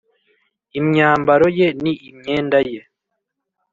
imyambaro ye ni imyenda y